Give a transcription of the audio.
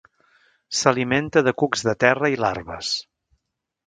S'alimenta de cucs de terra i larves.